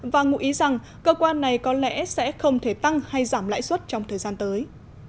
và ngụ ý rằng cơ quan này có lẽ sẽ không thể tăng hay giảm lãi suất trong thời gian tới